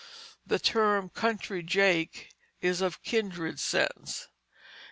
The term "country jake" is of kindred sense.